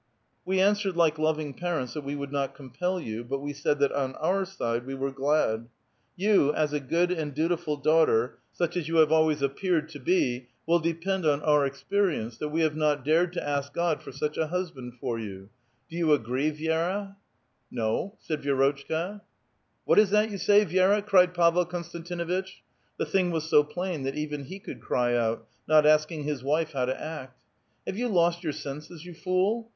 We answered like loving parents that we would not compel you, but we said that on our side we were glad. You, as a good and dutiful daughter, such as you have always a\)p^;w^d \o 44 A VITAL QUESTION. be, will depend on our exptTienee, that we have not dared to ask God lor hucIi ii liiiftiKind lor you. Do you agree, Vi^ra? ' No," said Vierotciika. "What is that vou say, Vi^ra?" cried Pavel Konstanti nuitch. The thiug was so i)laiu that even he could cry out, not asking his wife how to act. "Have you lost your senses, you fool?